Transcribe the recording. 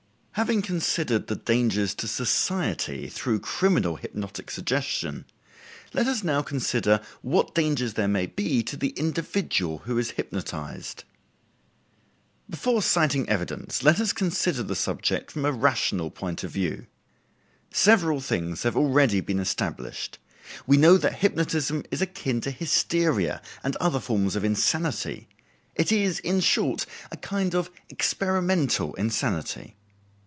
Having considered the dangers to society through criminal hypnotic suggestion, let us now consider what dangers there may be to the individual who is hypnotized. Before citing evidence, let us consider the subject from a rational point of view. Several things have already been established. We know that hypnotism is akin to hysteria and other forms of insanity—it is, in short, a kind of experimental insanity.